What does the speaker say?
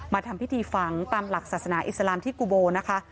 ทำพิธีฝังตามหลักศาสนาอิสลามที่กุโบนะคะ